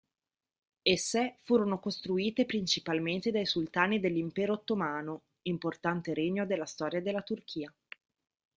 Esse furono costruite principalmente dai sultani dell'Impero Ottomano, importante regno della storia della Turchia.